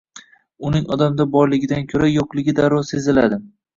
Uning odamda borligidan ko’ra yo’qligi darrov seziladi…